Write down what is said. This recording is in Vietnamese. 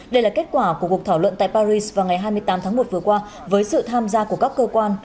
đây là kết quả của cuộc thảo luận tại paris vào ngày hai mươi tám tháng một vừa qua với sự tham gia của các cơ quan